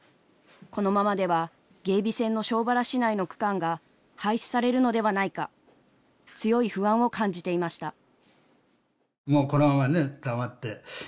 このままでは芸備線の庄原市内の区間が廃止されるのではないか強い不安を感じていました。